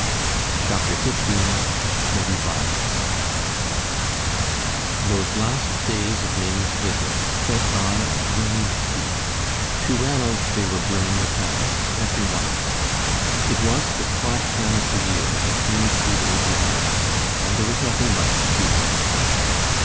CHAPTER XV THE REVIVAL Those last days of Maimie's visit sped by on winged feet. To Ranald they were brimming with happiness, every one of them. It was the slack time of the year, between seeding and harvest, and there was nothing much to keep him at home.